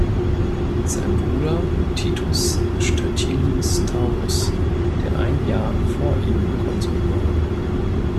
Sein Bruder war Titus Statilius Taurus, der ein Jahr vor ihm Konsul wurde.